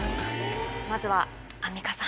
まずはアンミカさん。